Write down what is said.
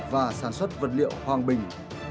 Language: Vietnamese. và sản xuất vật liệu hoàng bình